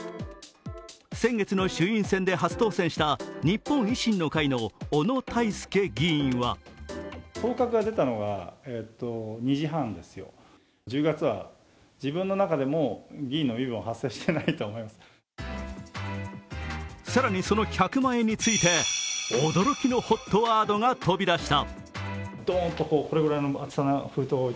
先月の衆院選で初当選した日本維新の会の小野泰輔議員は更にその１００万円について驚きのＨＯＴワードが飛びだした。